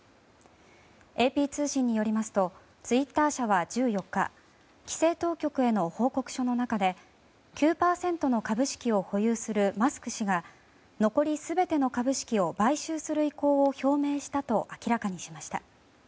ＡＰ通信によりますとツイッター社は１４日規制当局への報告書の中で９％の株式を保有するマスク氏が残り全ての株式を買収する意向を表明したと明らかにしました。